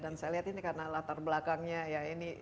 saya lihat ini karena latar belakangnya ya ini